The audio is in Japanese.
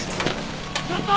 ちょっと！